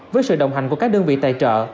với sự đồng hành của các đơn vị tài trợ